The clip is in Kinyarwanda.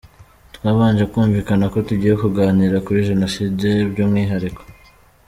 Twabanje kumvikana ko tugiye kuganira kuri Jenoside by’umwihariko.